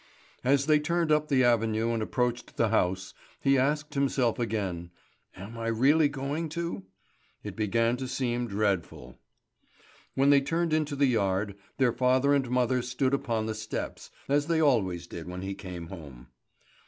As they turned up the avenue and approached the house, he asked himself again: "Am I really going to?" It began to seem dreadful. When they turned into the yard, their father and mother stood upon the steps, as they always did when he came home.